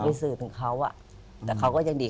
สื่อถึงเขาอ่ะแต่เขาก็ยังดี